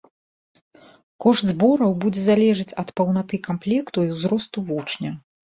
Кошт збораў будзе залежаць ад паўнаты камплекту і ўзросту вучня.